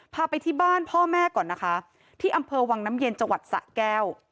ไปที่บ้านพ่อแม่ก่อนนะคะที่อำเภอวังน้ำเย็นจังหวัดสะแก้ว